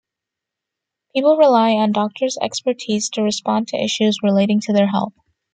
People rely on doctor's expertise to respond to issues relating to their health.